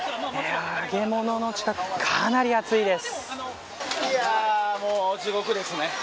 揚げ物の近くかなり暑いです。